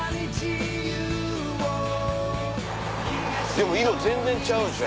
でも色全然ちゃうでしょ